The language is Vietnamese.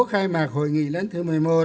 khai mạc hội nghị lần thứ một mươi một